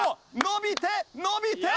伸びて伸びて。